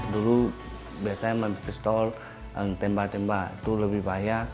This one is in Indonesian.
dulu biasanya main pistol tembak tembak itu lebih bahaya